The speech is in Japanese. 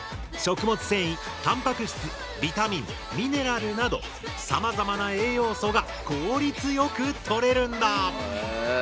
食物繊維たんぱく質ビタミンミネラルなどさまざまな栄養素が効率よくとれるんだ。